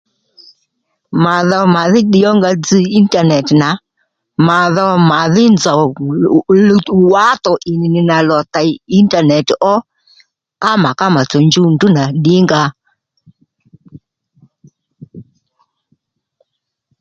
Ma dho màdhí ddiy ónga dzz intanet nà mà dho màdhí nzòw luwtò wǎtò ì nì nì nà lo tèy intanet ó kónó mà ká màtsò njuw ndrǔ nà ddǐngǎ